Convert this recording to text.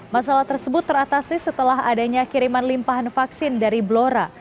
masalah tersebut teratasi setelah adanya kiriman limpahan vaksin dari blora